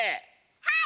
はい！